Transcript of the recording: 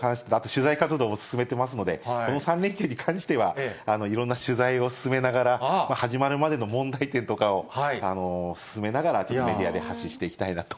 取材活動も進めてますので、この３連休に関しては、いろんな取材を進めながら、始まるまでの問題点とかを進めながら、ちょっとメディアで発信していきたいなと。